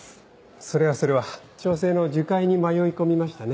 それはそれは調整の樹海に迷い込みましたね。